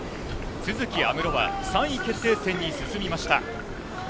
都筑有夢路は３位決定戦に進みました。